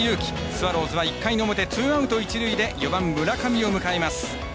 スワローズは１回の表ツーアウト、一塁で４番、村上を迎えます。